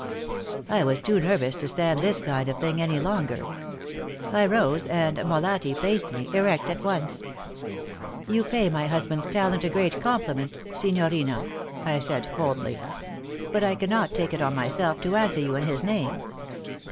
I was too nervous to stand this kind of thing any longer. I rose, and Molatti faced me, erect at once. "You pay my husband's talent a great compliment, signorina," I said, coldly; "but I cannot take it on myself to answer you in his name.